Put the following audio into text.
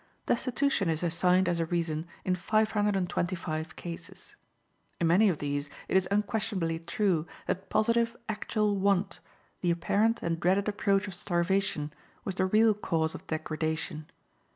Destitution is assigned as a reason in five hundred and twenty five cases. In many of these it is unquestionably true that positive, actual want, the apparent and dreaded approach of starvation, was the real cause of degradation.